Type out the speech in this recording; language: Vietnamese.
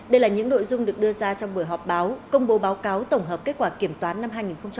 đây là những nội dung được đưa ra trong buổi họp báo công bố báo cáo tổng hợp kết quả kiểm toán năm hai nghìn một mươi chín